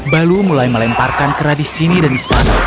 baloo mulai melemparkan kera di sini dan di sana